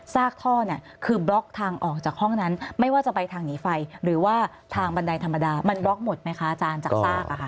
กท่อเนี่ยคือบล็อกทางออกจากห้องนั้นไม่ว่าจะไปทางหนีไฟหรือว่าทางบันไดธรรมดามันบล็อกหมดไหมคะอาจารย์จากซากอะค่ะ